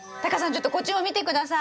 ちょっとこっちも見て下さい。